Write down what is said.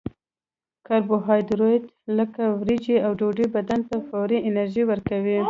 کاربوهایدریت لکه وریجې او ډوډۍ بدن ته فوري انرژي ورکوي